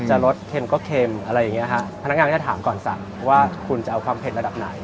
รสเค็มก็เค็มอะไรอย่างเงี้ยฮะพนักงานก็จะถามก่อนสั่งว่าคุณจะเอาความเผ็ดระดับไหน